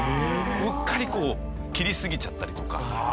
うっかりこう切りすぎちゃったりとか。